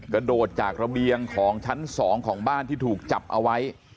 กระโดดจากระเบียงของชั้น๒ของบ้านที่ถูกจับเอาไว้